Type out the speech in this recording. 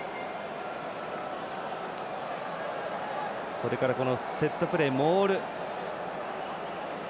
それからセットプレー、モール。